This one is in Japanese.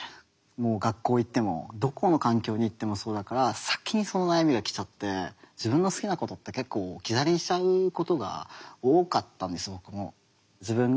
もう学校行ってもどこの環境に行ってもそうだから先にその悩みが来ちゃって自分の好きなことって結構置き去りにしちゃうことが多かったんです僕も。